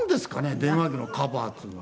電話機のカバーっていうのは。